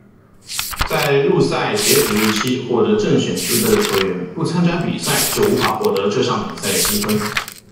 在入赛截止日期获得正选资格的球员不参加比赛就无法获得这项比赛的积分。